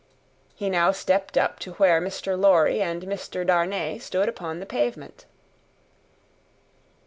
He now stepped up to where Mr. Lorry and Mr. Darnay stood upon the pavement.